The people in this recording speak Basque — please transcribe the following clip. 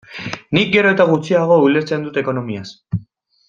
Nik gero eta gutxiago ulertzen dut ekonomiaz.